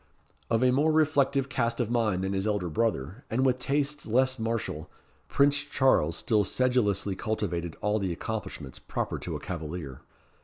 Of a more reflective cast of mind than his elder brother, and with tastes less martial, Prince Charles still sedulously cultivated all the accomplishments, proper to a cavalier.